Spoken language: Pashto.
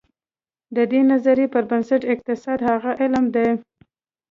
د دې نظریې پر بنسټ اقتصاد هغه علم دی.